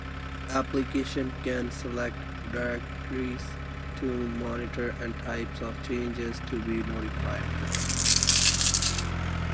Application can select directories to monitor and types of changes to be notified for.